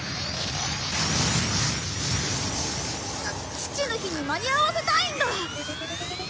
父の日に間に合わせたいんだ。